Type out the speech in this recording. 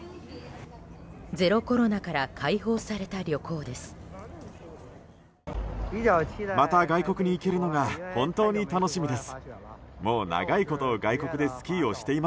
ゼロコロナから解放された旅行です。